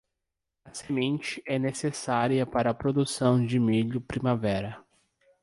A semente é necessária para a produção de milho primavera.